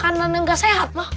karena makanan yang gak sehat